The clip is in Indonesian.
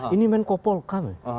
ini menko polkam ya